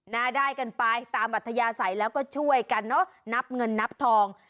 น่าได้กันไปตามวัทยาใส่แล้วก็ช่วยกันนับเงินนับทอง